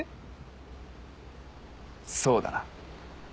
そうだな。